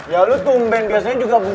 ya lo tumben biasanya juga bujeng